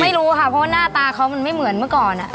ไม่รู้ค่ะเพราะว่าหน้าตาเขามันไม่เหมือนเมื่อก่อน